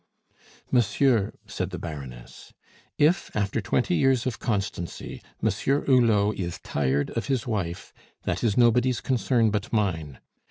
"Monsieur," said the Baroness, "if, after twenty years of constancy, Monsieur Hulot is tired of his wife, that is nobody's concern but mine.